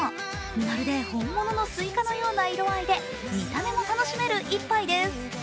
まるで本物のすいかのような色合いで見た目も楽しめる一杯です。